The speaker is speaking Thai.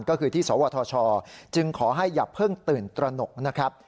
ก็คือที่สวทชจึงขอให้อย่าเพิ่งตื่นตระหนกนะครับ